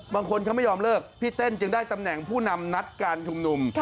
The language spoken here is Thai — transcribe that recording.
บางคนเขาไม่ยอมเลิกพี่เต้นจึงได้ตำแหน่งผู้นำนัดการชุมนุม